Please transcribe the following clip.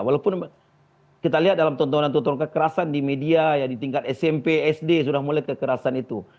walaupun kita lihat dalam tontonan tontonan kekerasan di media ya di tingkat smp sd sudah mulai kekerasan itu